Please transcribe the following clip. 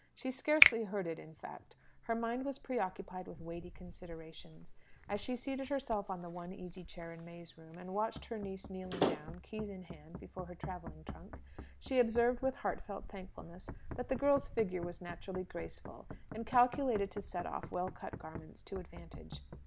She scarcely heard it, in fact. Her mind was preoccupied with weighty considerations. As she seated herself in the one easy chair in May's room, and watched her niece kneeling down, keys in hand, before her travelling trunk, she observed with heartfelt thankfulness that the girl's figure was naturally graceful, and calculated to set off well cut garments to advantage.